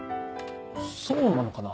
そうなのかな？